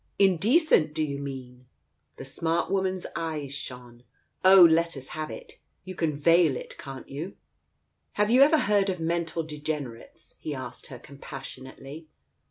"Indecent, do you mean ?" The smart woman's eyes shone. "Oh, let us have it. You can veil it, can't you ?"" Have you ever heard of mental degenerates ?" he asked her compassionately.